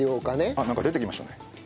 あっなんか出てきましたね。